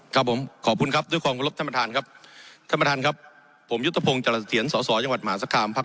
ครับผมขอบคุณครับเลยด้วยของ